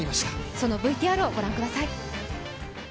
そのＶＴＲをご覧ください。